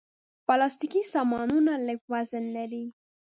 پلاستيکي سامانونه لږ وزن لري.